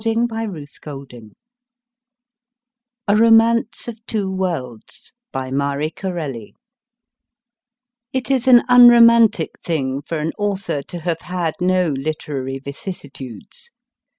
206 MY FIRST BOOK A ROMANCE OF TWO WORLDS BY MARIE CORELLI IT is an unromantic thing for an author to have had no literary vicissitudes.